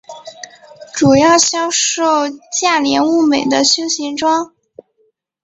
主要销售价廉物美的休闲装。